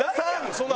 そんな。